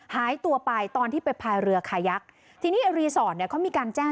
หายตัวไปตอนที่ไปพายเรือคายักษ์ทีนี้รีสอร์ทเนี่ยเขามีการแจ้ง